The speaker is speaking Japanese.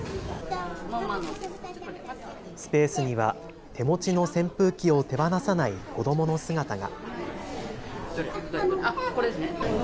スペースには手持ちの扇風機を手放さない子どもの姿が。